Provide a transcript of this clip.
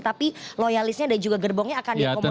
tapi loyalisnya dan juga gerbongnya akan diakomodasi dalam struktur